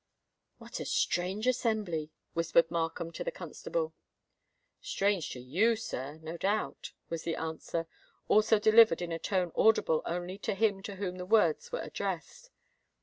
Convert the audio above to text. "What a strange assembly," whispered Markham to the constable. "Strange to you, sir—no doubt," was the answer, also delivered in a tone audible only to him to whom the words were addressed.